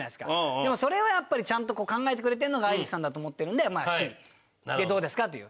でもそれをやっぱりちゃんと考えてくれてるのがアイリスさんだと思ってるんでまあＣでどうですか？という。